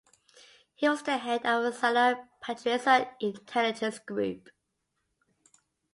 He was the head of the Sala Patria intelligence group.